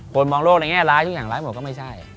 มองโลกในแง่ร้ายทุกอย่างร้ายหมดก็ไม่ใช่